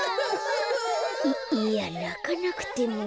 いやなかなくても。